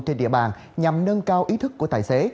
trên địa bàn nhằm nâng cao ý thức của tài xế